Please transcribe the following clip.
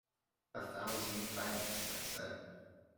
“A thousand thanks,” I said.